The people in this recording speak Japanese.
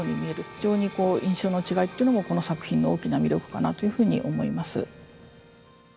非常にこう印象の違いっていうのもこの作品の大きな魅力かなというふうに思います。